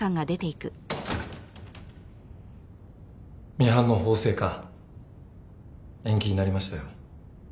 ミハンの法制化延期になりましたよ。